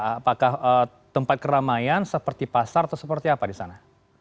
apakah tempat keramaian seperti pasar atau seperti apa di sana